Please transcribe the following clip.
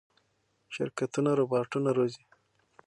شرکتونه روباټونه روزي.